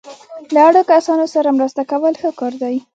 له اړو کسانو سره مرسته کول ښه کار دی.